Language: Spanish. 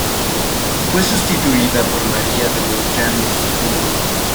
Fue sustituida por María de los Llanos de Luna.